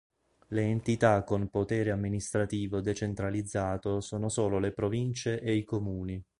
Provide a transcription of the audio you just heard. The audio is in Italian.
Le entità con potere amministrativo decentralizzato sono solo le province e i comuni.